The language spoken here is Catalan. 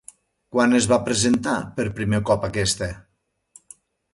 Quan es va presentar per primer cop aquesta?